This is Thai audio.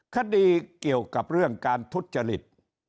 คดีเกี่ยวกับเรื่องการทุจริต